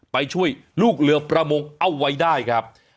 ไปช่วยลูกเรือประมงเอาไว้ได้ครับ